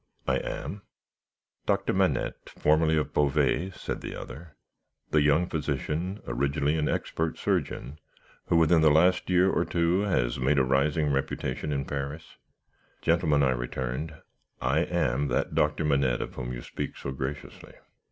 "'I am." "'Doctor Manette, formerly of Beauvais,' said the other; 'the young physician, originally an expert surgeon, who within the last year or two has made a rising reputation in Paris?' "'Gentlemen,' I returned, 'I am that Doctor Manette of whom you speak so graciously.'